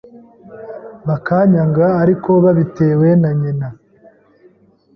bakanyanga ariko babitewe na nyina,